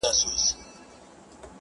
ړوند سړی په یوه ښار کي اوسېدلی -